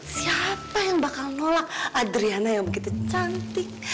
siapa yang bakal nolak adriana yang begitu cantik